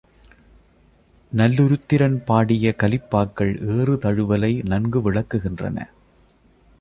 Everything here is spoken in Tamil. நல்லுருத்திரன் பாடிய கலிப்பாக்கள் ஏறு தழுவலை நன்கு விளக்குகின்றன.